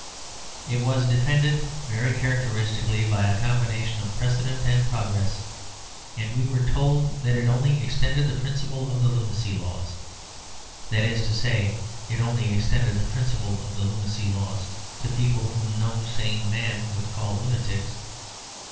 It was defended, very characteristically, by a combination of precedent and progress; and we were told that it only extended the principle of the lunacy laws. That is to say, it only extended the principle of the lunacy laws to people whom no sane man would call lunatics.